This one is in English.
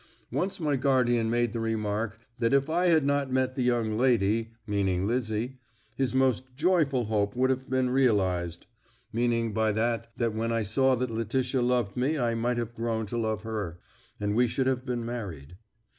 Once my guardian made the remark, 'That if I had not met the young lady' meaning Lizzie 'his most joyful hope would have been realised,' meaning by that that when I saw that Letitia loved me I might have grown to love her, and we should have been married.